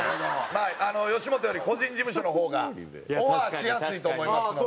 まあ吉本より個人事務所の方がオファーしやすいと思いますので。